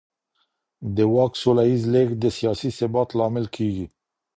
د واک سوله ييز لېږد د سياسي ثبات لامل کېږي.